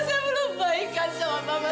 saya belum baikkan sama mama